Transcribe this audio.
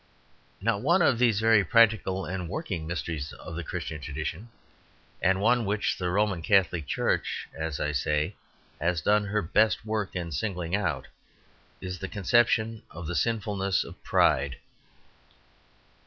Now, one of these very practical and working mysteries in the Christian tradition, and one which the Roman Catholic Church, as I say, has done her best work in singling out, is the conception of the sinfulness of pride.